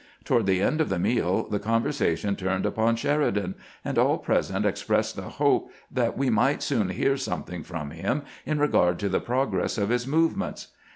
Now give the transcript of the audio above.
Toward the end of the meal the conversation turned upon Sheridan, and all present expressed the hope that we might soon hear something from him in regard to the progress of his movements.